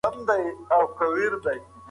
ښوونکي زموږ د ټولنې مشران دي.